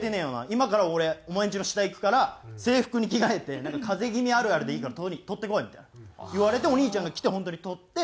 今から俺お前んちの下行くから制服に着替えて“風邪気味あるある”でいいから撮ってこい」みたいな言われてお兄ちゃんが来て本当に撮って。